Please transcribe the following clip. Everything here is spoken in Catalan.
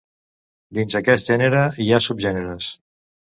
Dins aquest gènere hi ha subgèneres.